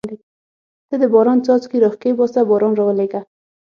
ته د باران څاڅکي را کښېباسه باران راولېږه.